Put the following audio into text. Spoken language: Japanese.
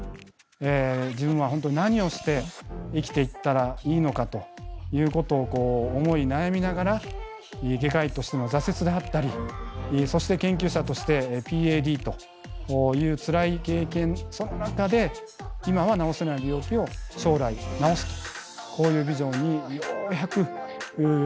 自分は本当何をして生きていったらいいのかということを思い悩みながら外科医としての挫折であったりそして研究者としてＰＡＤというつらい経験その中で今は治せない病気を将来治すとこういうビジョンにようやくたどりついたわけです。